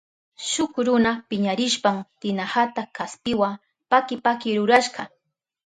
Shuk runa piñarishpan tinahata kaspiwa paki paki rurashka.